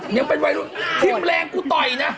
ยังเป็นวัยรุ่นทิ้มแรงกูต่อยนะ